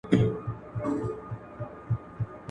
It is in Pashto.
هغه سړي د یخ له امله خپل لاسونه خولې ته نیولي وو.